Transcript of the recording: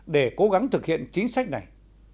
để cố gắng thực hiện chính sách này